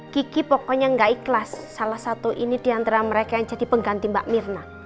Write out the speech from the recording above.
kiki pokoknya nggak ikhlas salah satu ini diantara mereka yang jadi pengganti mbak mirna